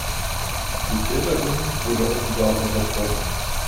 Die Täterin wurde offenbar unterbrochen.